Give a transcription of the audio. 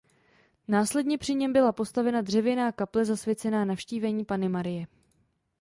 Následně při něm byla postavena dřevěná kaple zasvěcená Navštívení Panny Marie.